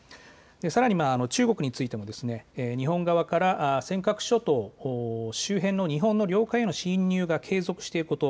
さらに中国についても日本側から尖閣諸島周辺への日本の領海への侵入が継続していること。